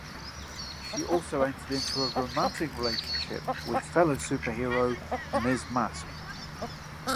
She also entered into a romantic relationship with fellow superhero Ms. Masque.